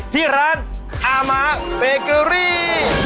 ที่ร้านอามะเบเกอรี่